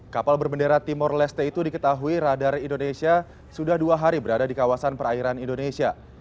kapal berbendera timur leste itu diketahui radar indonesia sudah dua hari berada di kawasan perairan indonesia